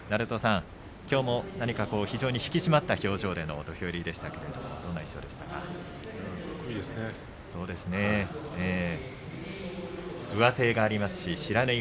きょうも何か非常に引き締まった表情での土俵入りでしたけれどもどんな印象でしたか。